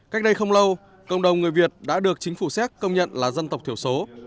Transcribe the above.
cách đây không lâu cộng đồng người việt đã được chính phủ séc công nhận là dân tộc thiểu số